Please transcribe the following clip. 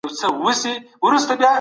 کله د بشري مرستو غوښتنه کیږي؟